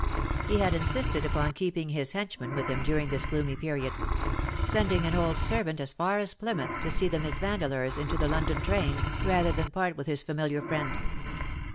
He had insisted upon keeping his henchman with him during this gloomy period ; sending an old servant as far as Plymouth to see the Miss Vandeleurs into the London train, rather than part with his familiar friend.